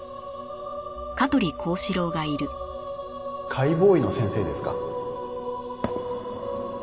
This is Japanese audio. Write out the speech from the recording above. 解剖医の先生ですか？